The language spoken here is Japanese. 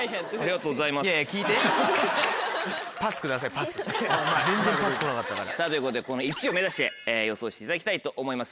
ということでこの１位を目指して予想していただきたいと思います。